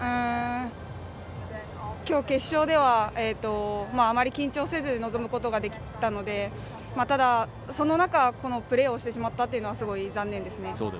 きょう、決勝ではあまり緊張せず臨むことができたのでただ、その中、このプレーをしてしまったというのはすごい、残念ですね。